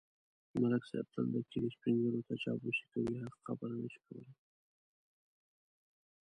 ملک صاحب تل د کلي سپېنږیروته چاپلوسي کوي. حق خبره نشي کولای.